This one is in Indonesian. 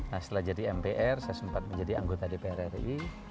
setelah menjadi mpr saya sempat menjadi anggota dpr ri